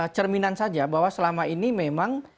cerminan saja bahwa selama ini memang